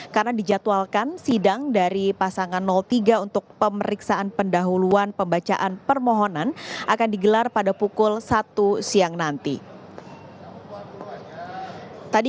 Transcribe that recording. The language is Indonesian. karena dijadwalkan sidang dari pasangan tiga untuk pemeriksaan pendahuluan pembacaan permohonan akan digelar pada pukul satu siang nanti